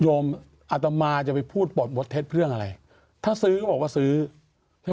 อัตมาจะไปพูดปลดบทเท็จเรื่องอะไรถ้าซื้อก็บอกว่าซื้อให้